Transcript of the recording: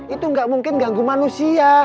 itu nggak mungkin ganggu manusia